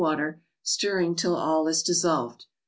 49 water, stirring till all is dissolved.